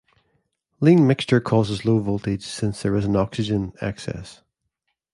Lean mixture causes low voltage, since there is an oxygen excess.